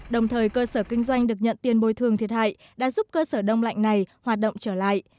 đồng thời cơ sở kinh doanh được nhận tiền bồi thường thiệt hại đã giúp cơ sở đông lạnh này hoạt động trở lại